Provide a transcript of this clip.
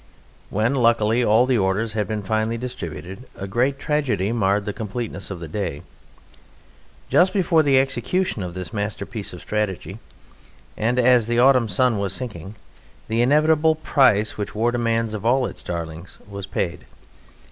When (luckily) all the orders had been finally distributed a great tragedy marred the completeness of the day. Just before the execution of this masterpiece of strategy, and as the autumn sun was sinking, the inevitable price which war demands of all its darlings was paid.